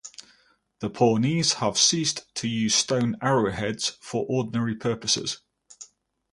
The Pawnees have ceased to use stone arrowheads for ordinary purposes.